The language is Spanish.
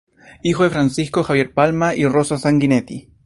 Hijo de Francisco Javier Palma y de Rosa Sanguinetti.